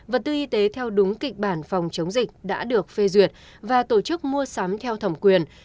vật tư y tế theo đúng kịch bản phòng chống dịch đã được phê duyệt và tổ chức mua sắm theo thẩm quyền